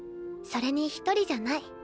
それに一人じゃない。